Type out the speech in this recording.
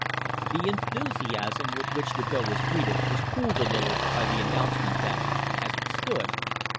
The enthusiasm with which the bill was greeted was cooled a little by the announcement that as it stood it was * See Appendix, Number 50.